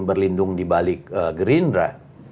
berlindung di balik gerindra